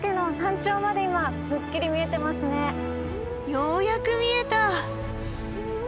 ようやく見えた！